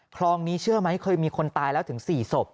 คลองนี้เชื่อไหมเคยมีคนตายแล้วถึง๔ศพ